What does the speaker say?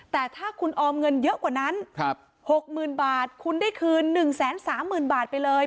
แต่ถ้าคุณออมเงินเยอะกว่านั้น๖๐๐๐บาทคุณได้คืน๑๓๐๐๐บาทไปเลย